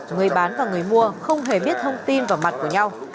người bán và người mua không hề biết thông tin vào mặt của nhau